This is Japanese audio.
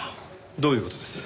どういう事です？